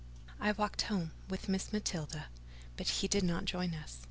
I walked home with Miss Matilda; but he did not join us.